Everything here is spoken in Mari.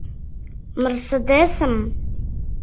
«Мерседесым»...